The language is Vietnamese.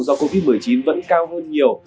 do covid một mươi chín vẫn cao hơn nhiều